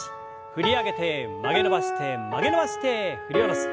振り上げて曲げ伸ばして曲げ伸ばして振り下ろす。